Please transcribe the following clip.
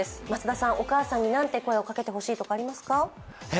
松田さん、お母さんに何て声をかけてほしいですか。